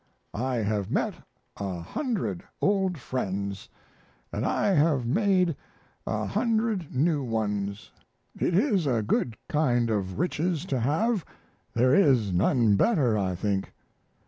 I have met a hundred, old friends, and I have made a hundred new ones. It is a good kind of riches to have; there is none better, I think."